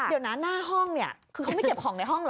เดี๋ยวนะหน้าห้องเนี่ยคือเขาไม่เก็บของในห้องเหรอ